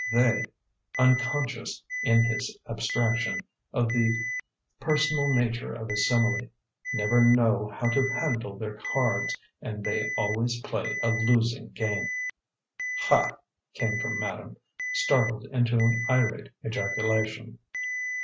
They" unconscious, in his abstraction, of the personal nature of his simile "never know how to handle their cards, and they always play a losing game." "Ha!" came from madame, startled into an irate ejaculation.